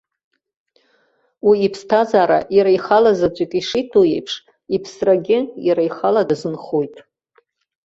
Уи иԥсҭазаара иара ихала заҵәык ишитәу еиԥш, иԥсрагьы иара ихала дазынхоит.